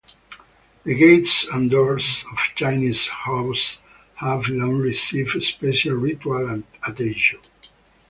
The gates and doors of Chinese houses have long received special ritual attention.